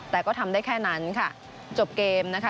แต่ก็ทำได้แค่นั้นค่ะจบเกมนะคะ